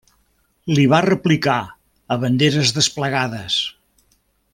Li va replicar a banderes desplegades.